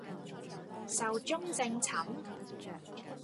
壽終正寢